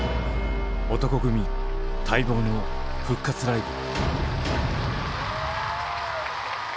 男闘呼組待望の復活ライブ！